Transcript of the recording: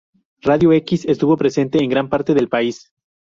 Radio X estuvo presente en gran parte del país.